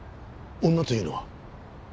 女というのは？